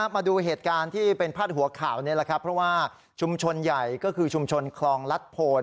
มาดูเหตุการณ์ที่เป็นพาดหัวข่าวนี้แหละครับเพราะว่าชุมชนใหญ่ก็คือชุมชนคลองลัดโพน